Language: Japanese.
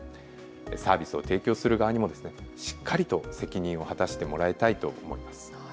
サービスを提供する側にもしっかりと責任を果たしてもらいたいと思います。